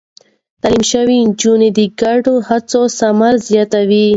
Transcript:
تعليم شوې نجونې د ګډو هڅو ثمر زياتوي.